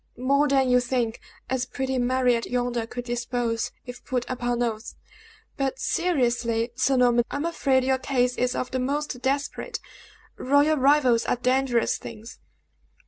"More than you think, as pretty Mariette yonder could depose, if put upon oath. But seriously, Sir Norman, I am afraid your case is of the most desperate; royal rivals are dangerous things!"